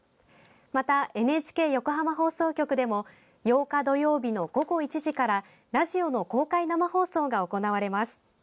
また、ＮＨＫ横浜放送局でも８日土曜日の午後１時からラジオの公開生放送が行われます。